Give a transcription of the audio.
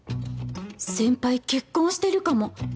先輩結婚してるかも！